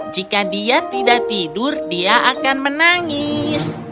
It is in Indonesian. jika dia tidak tidur dia akan menangis